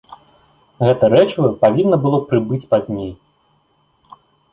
Гэта рэчыва павінна было прыбыць пазней.